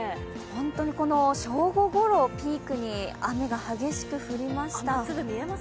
本当に、正午ごろをピークに雨が激しく降りました。